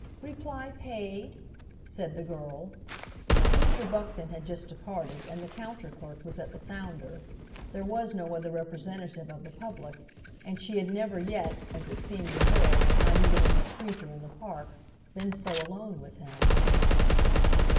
"Reply paid?" said the girl. Mr. Buckton had just departed and the counter clerk was at the sounder. There was no other representative of the public, and she had never yet, as it seemed to her, not even in the street or in the Park, been so alone with him.